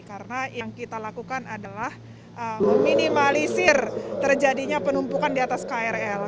karena yang kita lakukan adalah meminimalisir terjadinya penumpukan di atas krl